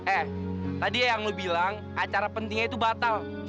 eh tadi yang bilang acara pentingnya itu batal